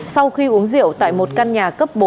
sau khi uống rượu tại một căn nhà cấp bốn